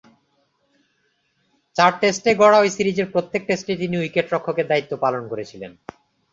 চার টেস্টে গড়া ঐ সিরিজের প্রত্যেক টেস্টেই তিনি উইকেট-রক্ষকের দায়িত্ব পালন করেছিলেন।